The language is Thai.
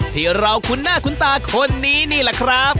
ที่เราคุ้นหน้าคุ้นตาคนนี้นี่แหละครับ